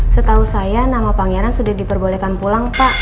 setahu saya nama pangeran sudah diperbolehkan pulang pak